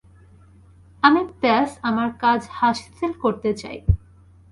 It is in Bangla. আমি ব্যস আমার কাজ হাসিল করতে চাই।